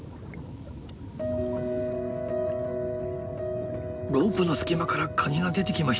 ロープの隙間からカニが出てきましたよ。